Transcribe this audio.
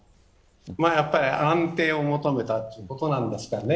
やっぱり、安定を求めたっていうことなんですかね。